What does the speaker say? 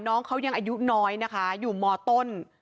น้องเขายังอายุน้อยนะคะอยู่มต้น